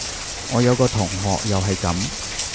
我有個同學又係噉